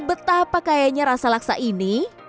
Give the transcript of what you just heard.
betapa kayanya rasa laksa ini